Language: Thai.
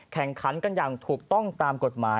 แข่งขันกันอย่างถูกต้องตามกฎหมาย